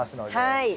はい。